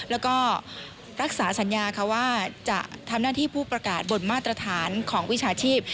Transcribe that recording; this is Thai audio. แล้วก็รักษาสัญญาค่ะว่าจะทำหน้าที่ผู้ประกาศบนมาตรฐานของวิชาชีพ